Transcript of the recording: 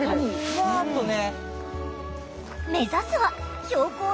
ふわっとね。